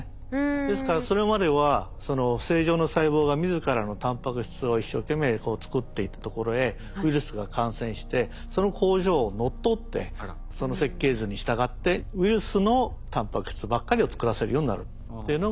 ですからそれまではその正常な細胞が自らのタンパク質を一生懸命作っていたところへウイルスが感染してその工場を乗っ取ってその設計図に従ってウイルスのタンパク質ばっかりを作らせるようになるっていうのが実際には感染なんですね。